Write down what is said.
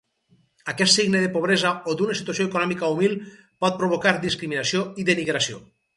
Aquest signe de pobresa o d'una situació econòmica humil pot provocar discriminació i denigració.